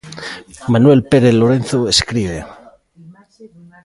Manuel Pérez Lorenzo escribe.